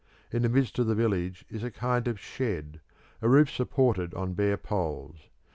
In the midst of the village is a kind of shed, a roof supported on bare poles.